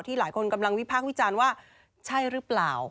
หลายคนกำลังวิพากษ์วิจารณ์ว่าใช่หรือเปล่า